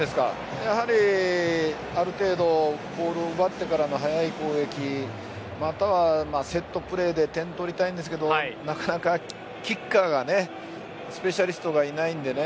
やはり、ある程度ボールを奪ってからの速い攻撃またはセットプレーで点、取りたいんですけどなかなかキッカーがねスペシャリストがいないんでね。